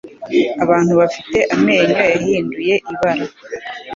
Abantu bafite amenyo yahinduye ibara,